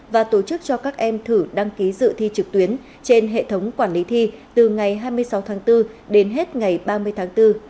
và tổ chức cho các em thử đăng ký dự thi trực tuyến trên hệ thống quản lý thi từ ngày hai mươi sáu tháng bốn đến hết ngày ba mươi tháng bốn